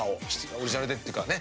オリジナルでっていうかね